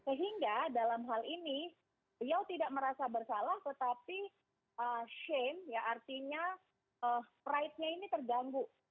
sehingga dalam hal ini beliau tidak merasa bersalah tetapi shane ya artinya pride nya ini terganggu